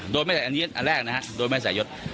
โดยไม่ใส่ยศอันแรกนะครับโดยไม่ใส่ยศ